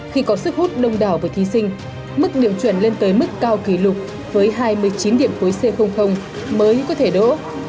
khi có sức hút đông đảo với thí sinh mức điểm chuẩn lên tới mức cao kỷ lục với hai mươi chín điểm cuối c mới có thể đỗ